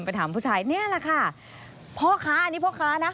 ถามผู้ชายเนี่ยแหละค่ะพ่อค้าอันนี้พ่อค้านะ